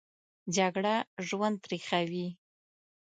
جګړه ژوند تریخوي